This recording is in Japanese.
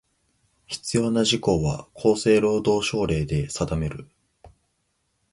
必要な事項は、厚生労働省令で定める。